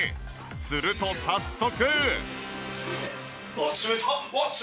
すると早速。